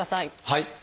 はい。